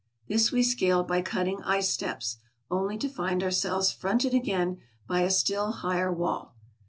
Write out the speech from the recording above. This we scaled by cutting ice steps, only to find ourselves fronted again by a still higher wall.